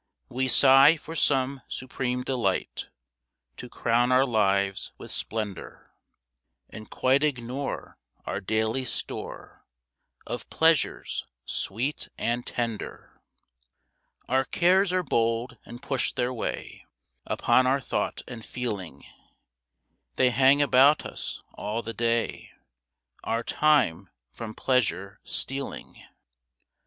We sigh for some supreme delight To crown our lives with splendour, And quite ignore our daily store Of pleasures sweet and tender. Our cares are bold and push their way Upon our thought and feeling; They hang about us all the day, Our time from pleasure stealing.